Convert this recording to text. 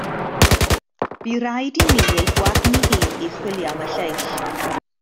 Bu raid i mi ei gwadnu hi i chwilio am y lleill.